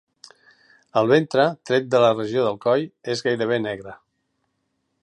El ventre, tret de la regió del coll, és gairebé negre.